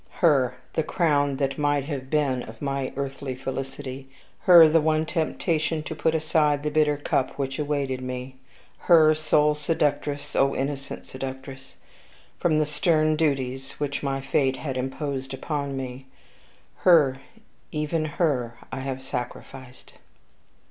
Her, the crown that might have been of my earthly felicity her, the one temptation to put aside the bitter cup which awaited me her, sole seductress (O innocent seductress!) from the stern duties which my fate had imposed upon me her, even her, I have sacrificed.